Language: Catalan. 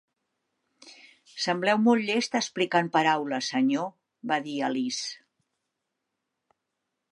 "Sembleu molt llest explicant paraules, senyor", va dir Alice.